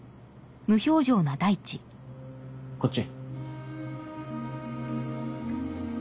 こっち。